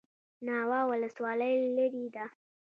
ناوه ولسوالۍ لیرې ده؟